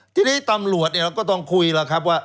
ทีนี้ตำรวจเราก็ต้องคุยแล้วครับว่า